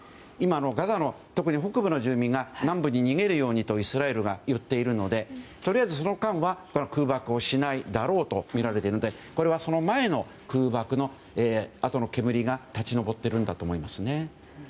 ガザの特に北部の住民が南部に逃げるようにとイスラエルが言っているのでとりあえず、その間は空爆をしないだろうとみられているのでこれはその前に空爆のあとの煙が立ち上っているんだと思います。